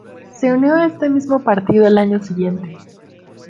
Se unió a ese mismo partido al año siguiente.